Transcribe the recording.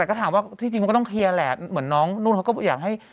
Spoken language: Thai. แต่ก็ถามว่าที่จริงมันก็ต้องเคลียร์แหละเหมือนน้องนุ่นเขาก็อยากให้